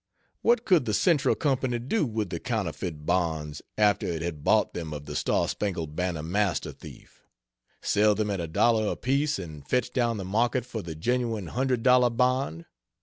What could the Central Company do with the counterfeit bonds after it had bought them of the star spangled banner Master thief? Sell them at a dollar apiece and fetch down the market for the genuine hundred dollar bond?